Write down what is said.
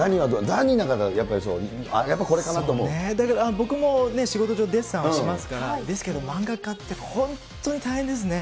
ザニーなんか、だから、僕もね、仕事上、デッサンはしますから、ですけど、漫画家って本当に大変ですね。